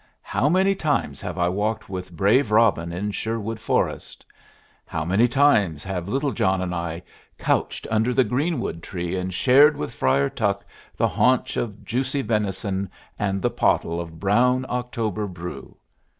how many times have I walked with brave Robin in Sherwood forest! How many times have Little John and I couched under the greenwood tree and shared with Friar Tuck the haunch of juicy venison and the pottle of brown October brew!